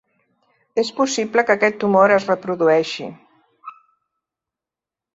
És possible que aquest tumor es reprodueixi.